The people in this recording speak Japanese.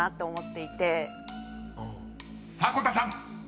［迫田さん］